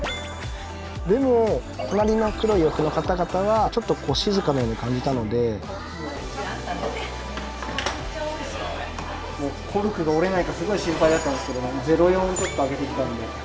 でも隣の黒い洋服の方々はちょっと静かなように感じたのでコルクが折れないかすごい心配だったんですけども０４をちょっと開けてきたので。